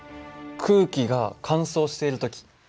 空気が乾燥している時。